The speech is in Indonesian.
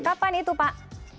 kapan itu pak